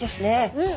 うん。